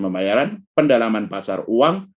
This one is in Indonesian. pembayaran pendalaman pasar uang